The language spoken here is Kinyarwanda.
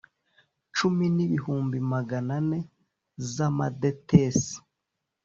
cumi n ibihumbi magana ane z amadetesi